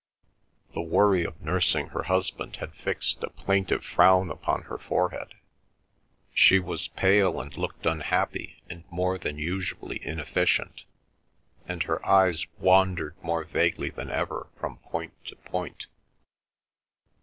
The worry of nursing her husband had fixed a plaintive frown upon her forehead; she was pale and looked unhappy and more than usually inefficient, and her eyes wandered more vaguely than ever from point to point.